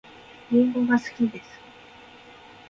りんごが好きです